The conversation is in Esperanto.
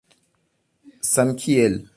samkiel